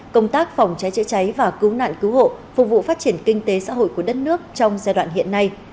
công tác phòng cháy chữa cháy và cứu nạn cứu hộ phục vụ phát triển kinh tế xã hội của đất nước trong giai đoạn hiện nay